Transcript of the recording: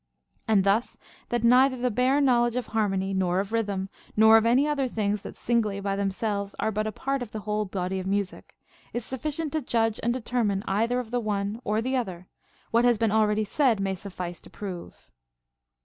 And thus, that neither the bare knowledge of harmony, nor of rhythm, nor of any other things that singly by themselves are but a part of the whole body of music, is sufficient to judge and deter mine either of the one or the other, what has been already said may suffice to prove.